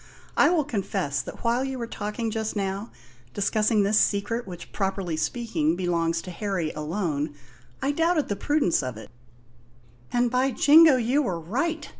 I will confess that while you were talking just now, discussing this secret which properly speaking belongs to Harry alone, I doubted the prudence of it " "And, by Jingo, you were right!"